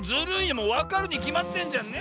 もうわかるにきまってんじゃんねえ。